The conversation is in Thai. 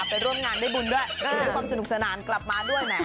ไปร่วมงานได้บุญด้วยได้ความสนุกสนานกลับมาด้วยแหม